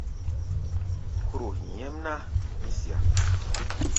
Kóro hí̧í̧ nyɛ́mná, mí siá.